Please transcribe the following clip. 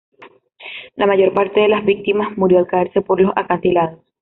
La mayor parte de las víctimas murió al caerse por los acantilados.